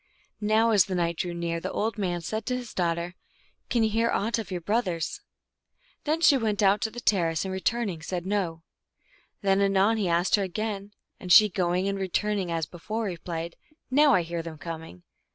Now as the night drew near, the old man said to his daughter, " Can you hear aught of your brothers ?" Then she went out to the terrace, and, returning, said, " No." Then anon he asked her again, and she, going and returning as be fore, replied, " Now I hear them coming."